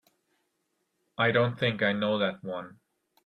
I don't think I know that one.